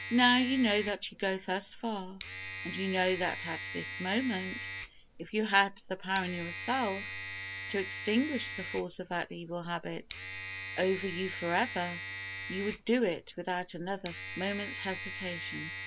Now you know that you go thus far, and you know that at this moment, if you had the power in yourself to extinguish the force of that evil habit over you forever, you would do it without another moment's hesitation.